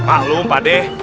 maklum pak deh